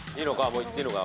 もう言っていいのか？